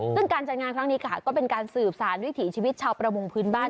ซึ่งการจัดงานครั้งนี้ค่ะก็เป็นการสืบสารวิถีชีวิตชาวประมงพื้นบ้าน